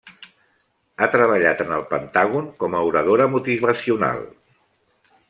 Ha treballat en el Pentàgon com a oradora motivacional.